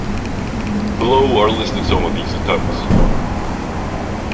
Below are listed some of these attempts.